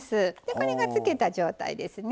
これが漬けた状態ですね。